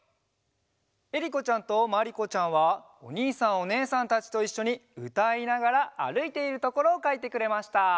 えりこちゃんとまりこちゃんはおにいさんおねえさんたちといっしょにうたいながらあるいているところをかいてくれました。